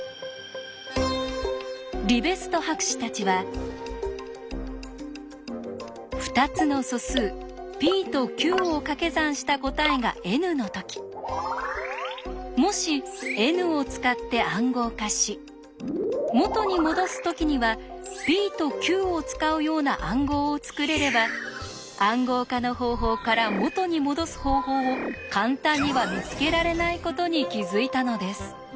リベスト博士たちは２つの素数ｐとｑをかけ算した答えがＮの時もしＮを使って暗号化し元にもどす時にはｐとｑを使うような暗号を作れれば「暗号化の方法」から「元にもどす方法」を簡単には見つけられないことに気付いたのです。